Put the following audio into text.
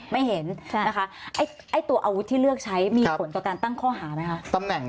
ไม่เห็นนะคะไอ้ตัวอาวุธที่เลือกใช้มีผลต่อการตั้งข้อหาไหมคะ